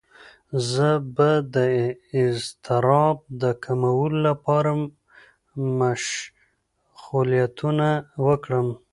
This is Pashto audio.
زه به د اضطراب د کمولو لپاره مشغولیتونه وکړم.